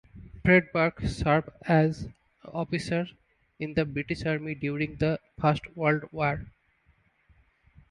Freyberg served as an officer in the British Army during the First World War.